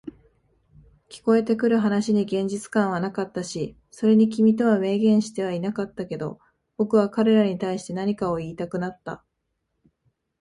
聞こえてくる話に現実感はなかったし、それに君とは明言してはいなかったけど、僕は彼らに対して何かを言いたくなった。